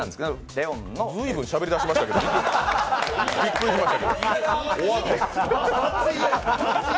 レオンの随分しゃべり出しましたけど、びっくりしました。